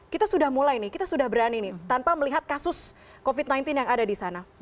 kita sudah mulai nih kita sudah berani nih tanpa melihat kasus covid sembilan belas yang ada di sana